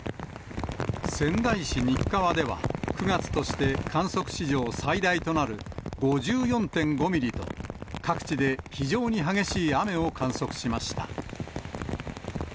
仙台市新川では９月として観測史上最大となる５４．５ミリと、各地で非常に激しい雨を観測しました。